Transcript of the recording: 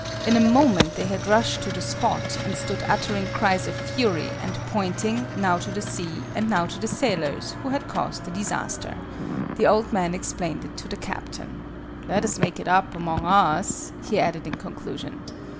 In a moment they had rushed to the spot, and stood uttering cries of fury, and pointing, now to the sea, and now to the sailors who had caused the disaster. The old man explained it to the Captain. "Let us make it up among us," he added in conclusion.